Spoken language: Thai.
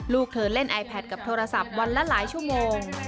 ลูกเธอเล่นไอแพทกับโทรศัพท์วันละหลายชั่วโมง